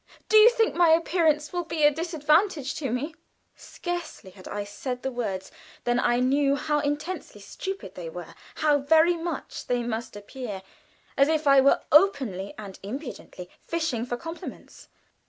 Do you think my appearance will be a disadvantage to me?" Scarcely had I said the words than I knew how intensely stupid they were, how very much they must appear as if I were openly and impudently fishing for compliments.